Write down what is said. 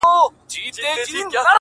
• په دې ویاله کي دي اوبه تللي -